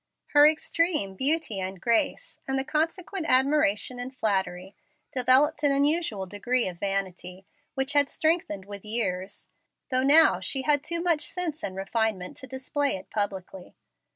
Her extreme beauty and grace, and the consequent admiration and flattery, developed an unusual degree of vanity, which had strengthened with years; though now she had too much sense and refinement to display it publicly.